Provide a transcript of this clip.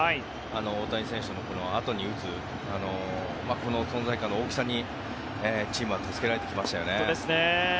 大谷選手のあとに打つこの存在感の大きさにチームは助けられてきましたよね。